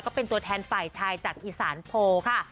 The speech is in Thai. ก็เป็นตัวแทนฝ่ายชายจากอีสานโพลค่ะ